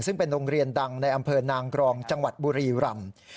ซึ่งเป็นโรงเรียนดังในอำเภอนางกรองจังหวัดบุรีรำ